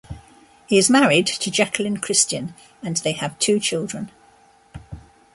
He is married to Jacqueline Christian and they have two children.